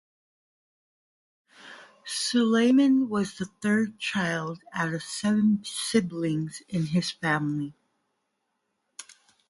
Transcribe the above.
Sulaiman was the third child out of seven siblings in his family.